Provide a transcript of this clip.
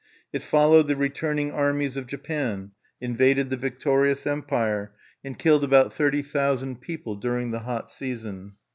It followed the returning armies of Japan, invaded the victorious empire, and killed about thirty thousand people during the hot season.